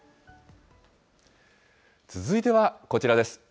続いてはこちらです。